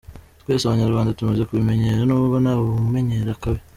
Twese abanyarwanda tumaze kubimenyera, n’ubwo “nta wumenyera akabi”.